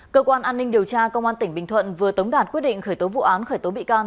cơ quan an ninh điều tra công an tỉnh bình thuận vừa tống đạt quyết định khởi tố vụ án khởi tố bị can